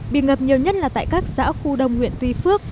bị ngập nhiều nhất là tại các xã khu đông huyện tuy phước